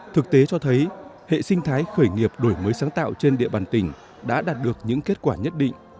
thực tế cho thấy hệ sinh thái khởi nghiệp đổi mới sáng tạo trên địa bàn tỉnh đã đạt được những kết quả nhất định